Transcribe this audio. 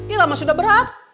ira mah sudah berat